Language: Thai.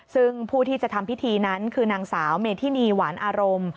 ซึ่งผู้ที่จะทำพิธีนั้นคือนางสาวเมธินีหวานอารมณ์